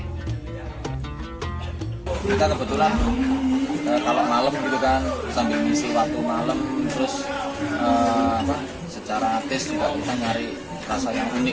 kalau malam gitu kan sambil misi waktu malam terus secara tes juga bisa mencari rasa yang unik